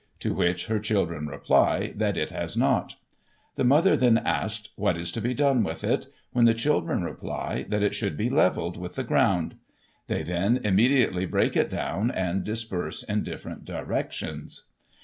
' to which her children reply, that it has not ; the mother again asks> what is to be done with it, when the children reply, that it should be levelled with the ground They then immediately break it down, and disperse in different directions.